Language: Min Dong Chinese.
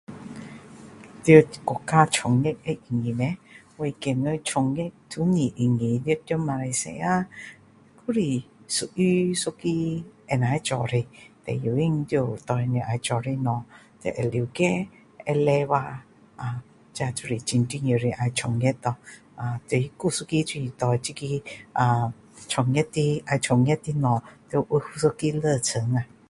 在国家创业会容易吗？我觉得创业都不是容易的在马来西亚还是属于一个能够做的最重要就是对你要做的东西要会了解会努力啊这就是很重要的要创业咯啊还有一个就是对这个啊创业的要创业的东西要有一个热诚啊